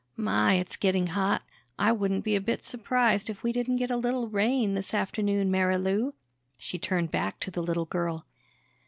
"My, it's getting hot. I wouldn't be a bit surprised if we didn't get a little rain this afternoon, Marilou." She turned back to the little girl.